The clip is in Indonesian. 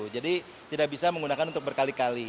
jadi tidak bisa menggunakan untuk berkali kali